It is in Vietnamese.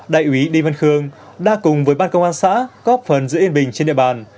đại úy đi văn khương đã cùng với ban công an xã góp phần giữ yên bình trên địa bàn